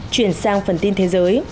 chuyển sang phần tin thế giới